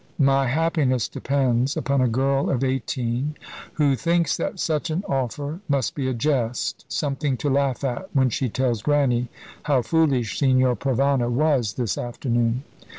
My happiness depends upon a girl of eighteen, who thinks that such an offer must be a jest something to laugh at when she tells Grannie how foolish Signor Provana was this afternoon.